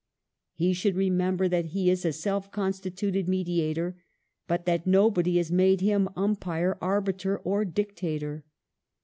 He should remember that he is a self constituted mediator, but that nobody has made him umpire, arbiter, or dictator.